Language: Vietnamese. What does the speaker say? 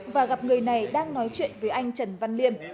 và gặp người này đang nói chuyện với anh trần văn liêm